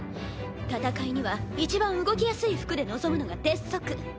戦いにはいちばん動きやすい服で臨むのが鉄則。